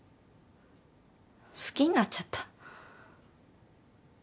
好きになっちゃった。